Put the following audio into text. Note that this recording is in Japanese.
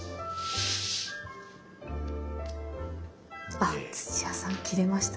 あ土屋さん切れました？